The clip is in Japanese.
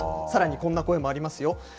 さらにこんな声もありますよ。